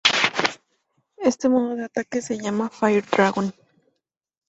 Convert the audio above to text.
Este modo de ataque se llama "Fire Dragon".